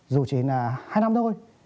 dù chỉ là hai năm thôi